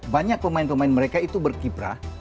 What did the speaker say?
banyak pemain pemain mereka itu berkiprah